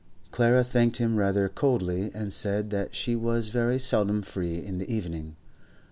Clara thanked him rather coldly, and said that she was very seldom free in the evening.